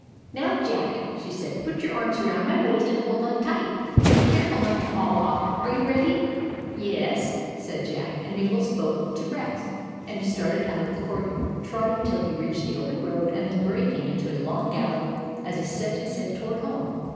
" Now, Jack," said she, " put your arms around my waist, and hold on tight, and be careful not to fall off. Are you ready ?"" Yes," said Jack ; and Mabel spoke to Rex, and he started out of the courtyard, trotting till he reached the open road, and then breaking into a long gallop as he set his head toward home.